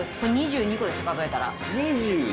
２２個でした数えたら。